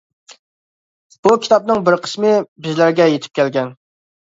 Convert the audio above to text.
بۇ كىتابىنىڭ بىر قىسمى بىزلەرگە يىتىپ كەلگەن.